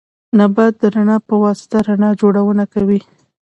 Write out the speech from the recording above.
نبات د رڼا په واسطه رڼا جوړونه کوي